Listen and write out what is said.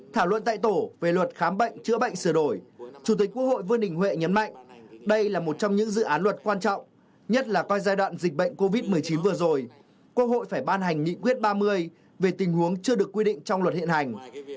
thảo luận tại tổ về luật khám bệnh chữa bệnh sửa đổi chủ tịch quốc hội vương đình huệ nhấn mạnh đây là một trong những dự án luật quan trọng nhất là coi giai đoạn dịch bệnh covid một mươi chín vừa rồi quốc hội phải ban hành nghị quyết ba mươi về tình huống chưa được quy định trong luật hiện hành